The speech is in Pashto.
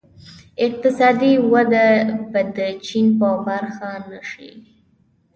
اقتصادي وده به د چین په برخه نه شي.